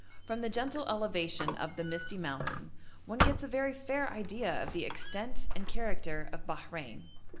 From the gentle elevation of the misty mountain one gets a very fair idea of the extent and character of Bahrein.